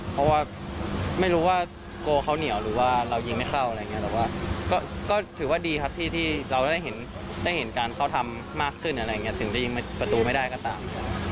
เพื่อดูที่มันจะขึ้นมากขึ้นถึงจะยิงประตูไม่ได้ก็ตาม